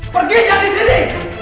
pergi jangan disini